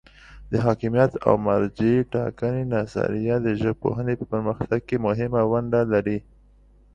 د حاکمیت او مرجع ټاکنې نظریه د ژبپوهنې په پرمختګ کې مهمه ونډه لري.